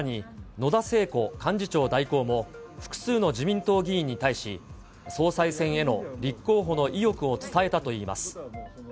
野田聖子幹事長代行も複数の自民党議員に対し、総裁選への立候補の意欲を伝えたといいます。